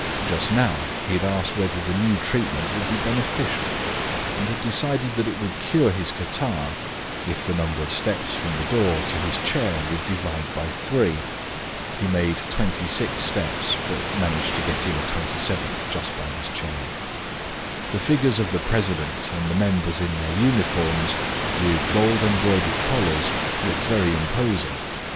Just now he had asked whether the new treatment would be beneficial, and had decided that it would cure his catarrh if the number of steps from the door to his chair would divide by three. He made 26 steps, but managed to get in a 27th just by his chair. The figures of the president and the members in their uniforms, with gold embroidered collars, looked very imposing.